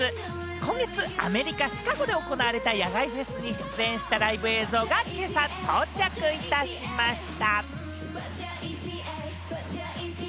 今月、アメリカ・シカゴで行われた野外フェスに出演したライブ映像が今朝、到着いたしました。